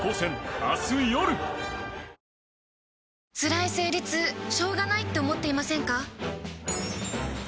つらい生理痛しょうがないって思っていませんか？